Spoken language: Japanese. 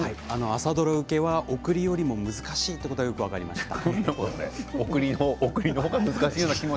朝ドラ受けは送りより難しいということが分かりました。